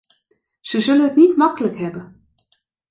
Ze zullen het niet makkelijk hebben.